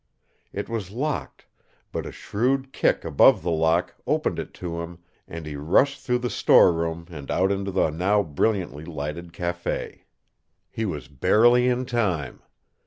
It was locked, but a shrewd kick above the lock opened it to him and he rushed through the storeroom and out into the now brilliantly lighted café. He was barely in time.